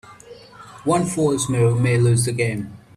One false move may lose the game.